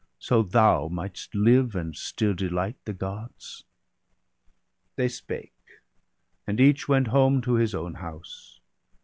So thou might'st live, and still delight the Gods !' They spake; and each went home to his own house.